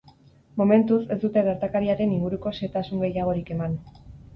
Momentuz, ez dute gertakariaren inguruko xehetasun gehiagorik eman.